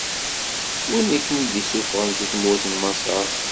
Win i ken-id-issufɣen si tmurt n Maṣer.